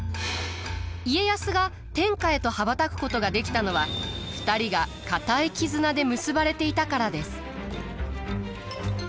家康が天下へと羽ばたくことができたのは２人が固い絆で結ばれていたからです。